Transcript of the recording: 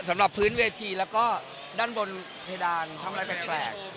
สำหรับพื้นเวทีแล้วก็ด้านบนเพดานทำอะไรแปลก